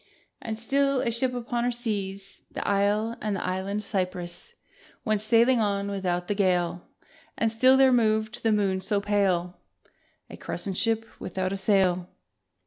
And still, a ship upon her seas, The isle and the island cypresses Went sailing on without the gale : And still there moved the moon so pale, A crescent ship without a sail